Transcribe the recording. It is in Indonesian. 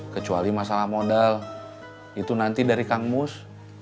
kecuali masalah modal itu nanti dari kang mus